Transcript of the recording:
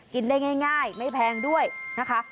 กินได้ง่ายไม่แพงด้วยนะคะ